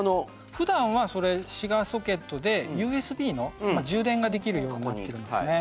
ふだんはそれシガーソケットでＵＳＢの充電ができるようになってるんですね。